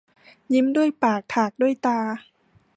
ยิ้มด้วยปาก ถากด้วยตา